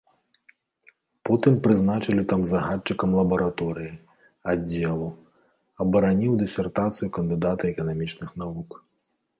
Потым прызначылі там загадчыкам лабараторыі, аддзелу, абараніў дысертацыю кандыдата эканамічных навук.